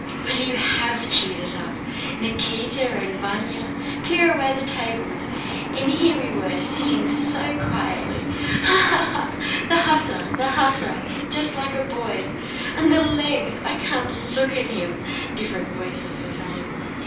Well, you have cheered us up! Nikíta and Vanya—clear away the tables! And we were sitting so quietly. Ha, ha, ha!... The hussar, the hussar! Just like a boy! And the legs!... I can't look at him..." different voices were saying.